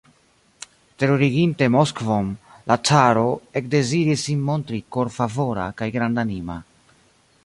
Terureginte Moskvon, la caro ekdeziris sin montri korfavora kaj grandanima.